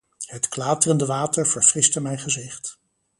Het klaterende water verfriste mijn gezicht.